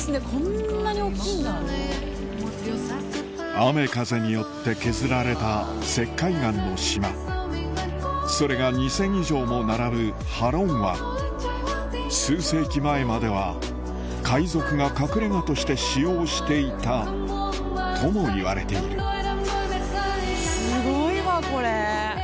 雨風によって削られた石灰岩の島それが２０００以上も並ぶハロン湾数世紀前までは海賊が隠れ家として使用していたともいわれているフフフフ。